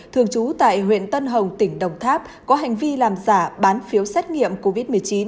thường trú tại huyện tân hồng tỉnh đồng tháp có hành vi làm giả bán phiếu xét nghiệm covid một mươi chín